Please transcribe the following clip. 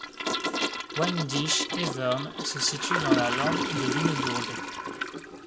Wendisch Evern se situe dans la lande de Lunebourg.